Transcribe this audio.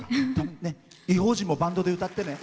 「異邦人」もバンドで歌ってね。